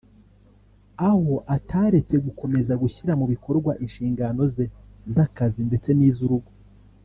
aho ataretse gukomeza gushyira mu bikorwa inshingano ze z’akazi ndetse n’iz’urugo